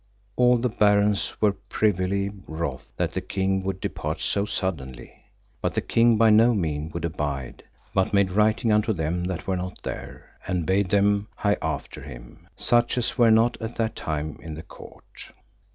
All the barons were privily wroth that the king would depart so suddenly; but the king by no mean would abide, but made writing unto them that were not there, and bade them hie after him, such as were not at that time in the court.